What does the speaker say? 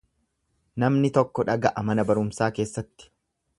Namni tokko dhaga'a mana barumsaa keessatti.